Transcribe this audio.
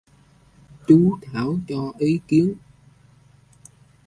Chú Thảo cho ý kiến